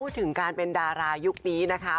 พูดถึงการเป็นดารายุคนี้นะคะ